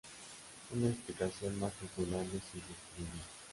Una explicación más popular de sus descubrimientos.